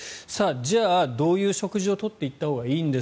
じゃあ、どういう食事を取っていったほうがいいのか。